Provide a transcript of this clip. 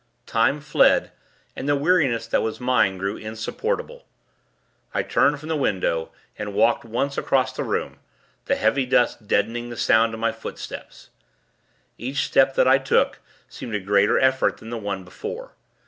Time fled, and the weariness that was mine, grew insupportable. I turned from the window, and walked once across the room, the heavy dust deadening the sound of my footsteps. Each step that I took, seemed a greater effort than the one before.